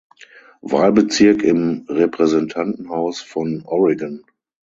Wahlbezirk im Repräsentantenhaus von Oregon.